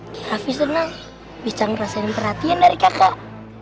raffi senang bisa ngerasain perhatian dari kakak